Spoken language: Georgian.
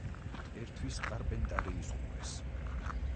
ერთვის კარპენტარიის ყურეს.